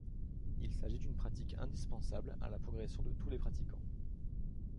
Il s’agit d’une pratique indispensable à la progression de tous les pratiquants.